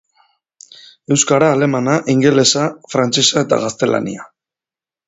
Euskara, alemana, ingelesa, frantsesa eta gaztelania.